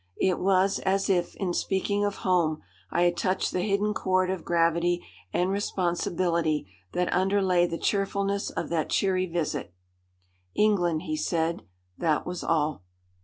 It was as if, in speaking of home, I had touched the hidden chord of gravity and responsibility that underlay the cheerfulness of that cheery visit. "England!" he said. That was all.